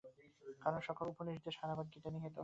কারণ, সকল উপনিষদের সারভাগ গীতায় নিহিত।